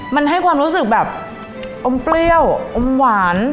มันให้ความรู้สึกแบบอมเปรี้ยวอมหวาน